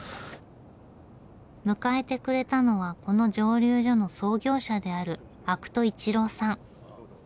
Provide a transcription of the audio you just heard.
迎えてくれたのはこの蒸留所の創業者である肥土伊知郎さん。